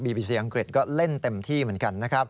ีเซียอังกฤษก็เล่นเต็มที่เหมือนกันนะครับ